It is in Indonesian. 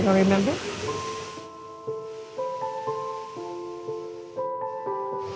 kamu tidak ingat